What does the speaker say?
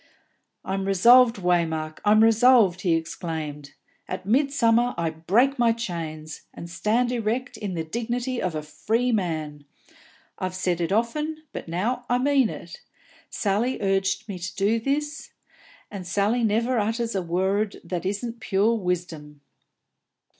"I'm resolved, Waymark, I'm resolved!" he exclaimed. "At midsummer I break my chains, and stand erect in the dignity of a free man. I've said it often, but now I mean it. Sally urges me to do ut, and Sally never utters a worrud that isn't pure wisdom."